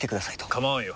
構わんよ。